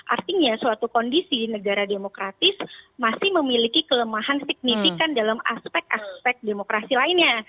artinya suatu kondisi negara demokratis masih memiliki kelemahan signifikan dalam aspek aspek demokrasi lainnya